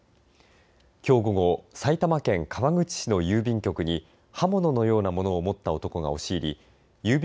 きょう午後埼玉県川口市の郵便局に刃物のようなものを持った男が押し入り郵便